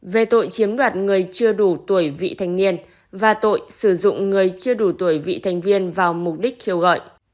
về tội chiếm đoạt người chưa đủ tuổi vị thành niên và tội sử dụng người chưa đủ tuổi vị thành viên vào mục đích kêu gọi